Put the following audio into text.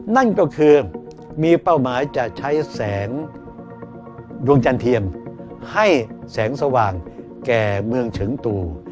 นั่นก็คือมีเป้าหมายจะใช้แสงดวงจันเทียมให้แสงสว่างแก่เมืองเฉิงตู